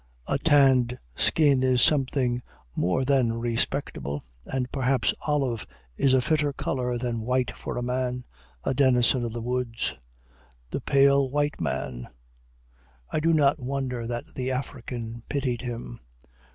A tanned skin is something more than respectable, and perhaps olive is a fitter color than white for a man, a denizen of the woods. "The pale white man!" I do not wonder that the African pitied him.